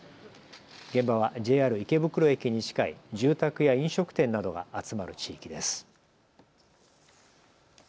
現場はＪＲ池袋駅に近い住宅や飲食店などが集まる地域です。